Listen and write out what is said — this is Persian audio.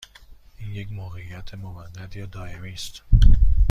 این یک موقعیت موقت یا دائمی است؟